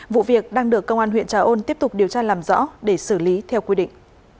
vụ việc đang được công an huyện trà ôn tiếp tục điều tra làm rõ để xử lý theo quy định